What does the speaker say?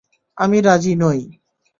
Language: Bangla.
আমি রাজি নই।